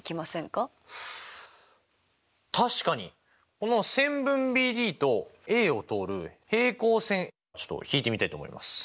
この線分ＢＤとＡを通る平行線をちょっと引いてみたいと思います。